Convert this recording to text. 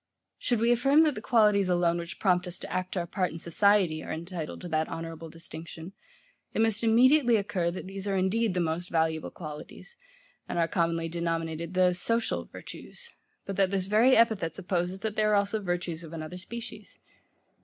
Should we affirm that the qualities alone, which prompt us to act our part in society, are entitled to that honourable distinction; it must immediately occur that these are indeed the most valuable qualities, and are commonly denominated the SOCIAL virtues; but that this very epithet supposes that there are also virtues of another species.